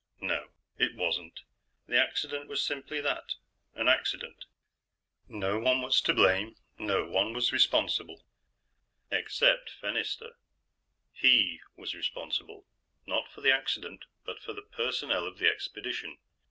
No. It wasn't. The accident was simply that an accident. No one was to blame; no one was responsible. Except Fennister. He was responsible. Not for the accident, but for the personnel of the expedition.